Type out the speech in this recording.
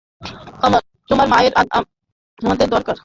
তোমার মায়ের আমাদেরকে দরকার!